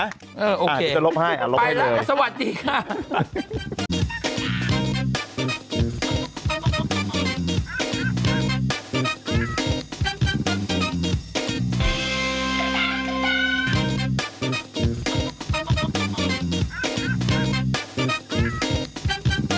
อ้าวโอเคไปแล้วสวัสดีค่ะอันที่จะลบให้อันที่จะลบให้เลย